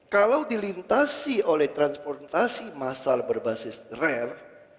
kalau dilintasi oleh transportasi massal berbasis rare